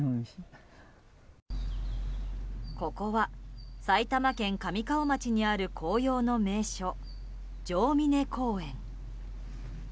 ここは、埼玉県神川町にある紅葉の名所、城峯公園。